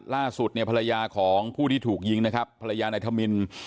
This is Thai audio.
ล่าสุดเนี่ยภรรยาของผู้ที่ถูกยิงนะครับภรรยานายธมิน